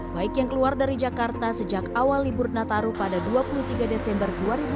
baik yang keluar dari jakarta sejak awal libur nataru pada dua puluh tiga desember dua ribu dua puluh